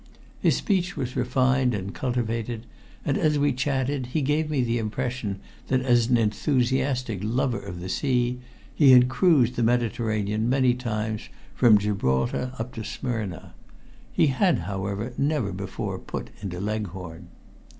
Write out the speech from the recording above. His speech was refined and cultivated, and as we chatted he gave me the impression that as an enthusiastic lover of the sea, he had cruised the Mediterranean many times from Gibraltar up to Smyrna. He had, however, never before put into Leghorn.